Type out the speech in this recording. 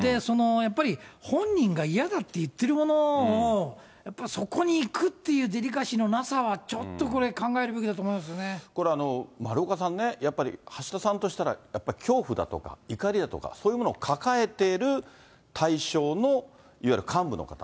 やっぱり本人が嫌だって言ってるものを、やっぱりそこに行くっていうデリカシーのなさは、ちょっとこれ、丸岡さんね、やっぱり橋田さんとしたら、やっぱ恐怖だとか、怒りだとか、そういうものを抱えている対象のいわゆる幹部の方。